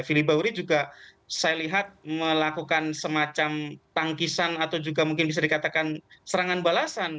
fili bahuri juga saya lihat melakukan semacam tangkisan atau juga mungkin bisa dikatakan serangan balasan